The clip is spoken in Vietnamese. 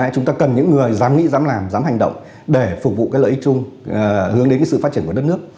chúng ta cần những người dám nghĩ dám làm dám hành động để phục vụ lợi ích chung hướng đến sự phát triển của đất nước